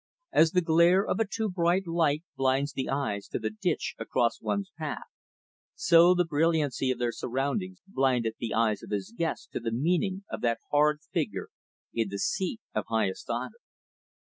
As the glare of a too bright light blinds the eyes to the ditch across one's path, so the brilliancy of their surroundings blinded the eyes of his guests to the meaning of that horrid figure in the seat of highest honor.